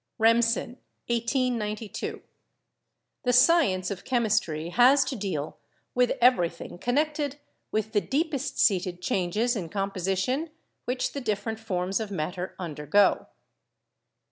Remsen (1892). "The science of chemistry has to deal with everything connected with the deepest seated changes in composition which the different forms of matter undergo."